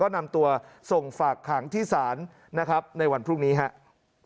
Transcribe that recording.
ก็นำตัวส่งฝากหางที่ศาลในวันพรุ่งนี้ครับ